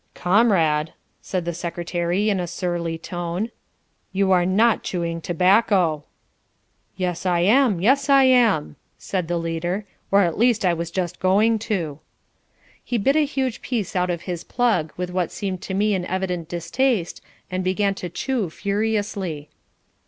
"Comrade," said the secretary in a surly tone, "you are not chewing tobacco!" "Yes I am, yes I am," said the leader, "or, at least, I was just going to." He bit a huge piece out of his plug, with what seemed to me an evident distaste, and began to chew furiously.